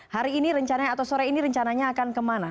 hari ini rencananya atau sore ini rencananya akan kemana